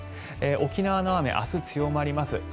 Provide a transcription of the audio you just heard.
沖縄の雨、明日、強まります。